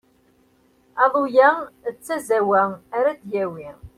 Aḍu-ya d tazawwa ara d-yawi.